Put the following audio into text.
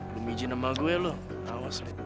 belum ijin sama gue lu awas